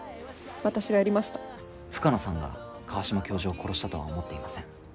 深野さんが川島教授を殺したとは思っていません。